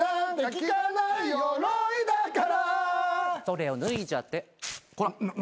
それを脱いじゃって。